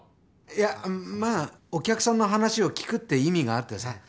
いやまあお客さんの話を聞くって意味があってさ。